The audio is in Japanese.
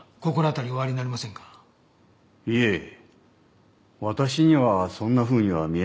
私にはそんなふうには見えませんでした。